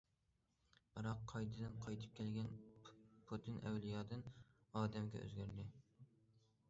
بىراق، قايتىدىن قايتىپ كەلگەن پۇتىن ئەۋلىيادىن ئادەمگە ئۆزگەردى.